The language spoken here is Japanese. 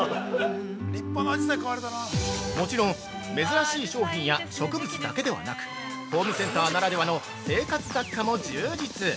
◆もちろん、珍しい商品や植物だけではなくホームセンターならではの生活雑貨も充実。